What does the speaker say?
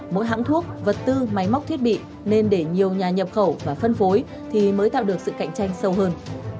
mỗi hãng thuốc vật tư máy móc thiết bị nên để nhiều nhà nhập khẩu và phân phối thì mới tạo được sự cạnh tranh sâu hơn